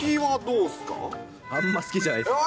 あんま好きじゃないです。